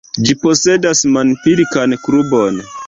Ĝi posedas manpilkan klubon.